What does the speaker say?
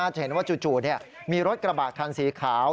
จะเห็นว่าจู่มีรถกระบะคันสีขาว